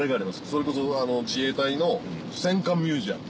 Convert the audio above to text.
それこそ自衛隊の戦艦ミュージアム。